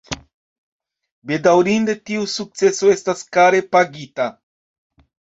Bedaŭrinde, tiu sukceso estas kare pagita.